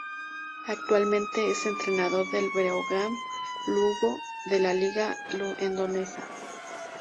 Actualmente es entrenador del Breogán Lugo de la Liga Endesa.